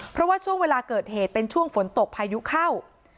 เพราะว่าช่วงเวลาเกิดเหตุเป็นช่วงฝนตกพายุเข้า